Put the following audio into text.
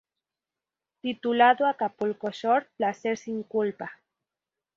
Titulado Acapulco Shore: Placer Sin Culpa.